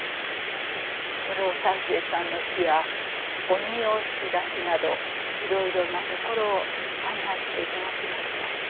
室生犀星さんの碑や鬼押出しなどいろいろなところを案内していただきました。